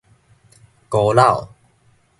孤佬